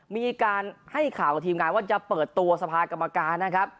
มีการให้ข่าวกับทีมงานว่าจะเปิดตัวสภากรรมการนะครับ